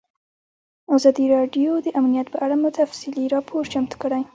ازادي راډیو د امنیت په اړه تفصیلي راپور چمتو کړی.